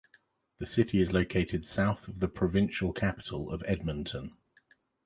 The city is located south of the provincial capital of Edmonton.